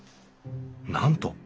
なんと！